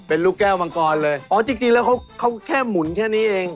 เป็นลูกแก้วมังคลเลยจริงแล้วเขาแค่หมุนแค่นี้เอง